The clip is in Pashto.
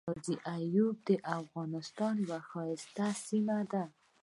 ځاځي اریوب دافغانستان یوه ښایسته سیمه ده.